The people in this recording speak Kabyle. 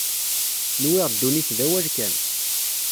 Nwiɣ ddunit d awal kan.